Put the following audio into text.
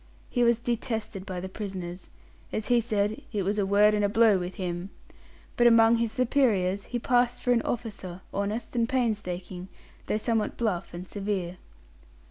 He was detested by the prisoners as he said, "it was a word and a blow with him" but, among his superiors, he passed for an officer, honest and painstaking, though somewhat bluff and severe.